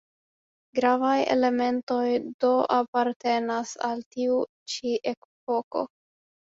Gravaj elementoj do apartenas al tiu ĉi epoko.